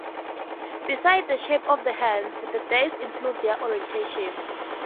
Besides the shape of the hands, the "dez" includes their orientation.